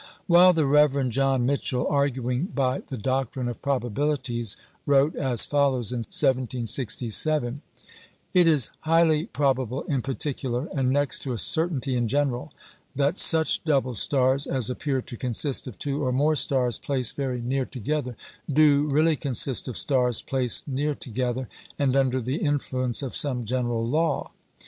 While the Rev. John Michell, arguing by the doctrine of probabilities, wrote as follows in 1767: "It is highly probable in particular, and next to a certainty in general, that such double stars as appear to consist of two or more stars placed very near together, do really consist of stars placed near together, and under the influence of some general law."